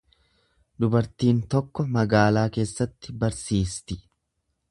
Dubartiin tokko magaalaa keessatti barsiisti.